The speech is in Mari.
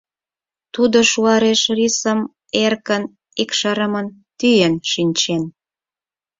Тудо шуареш рисым эркын, икшырымын тӱен шинчен.